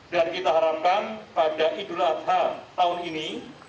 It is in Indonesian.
dan kita harapkan pada idul adha tahun ini